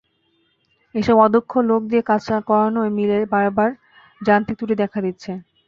এসব অদক্ষ লোক দিয়ে কাজ করানোয় মিলে বারবার যান্ত্রিক ত্রুটি দেখা দিচ্ছে।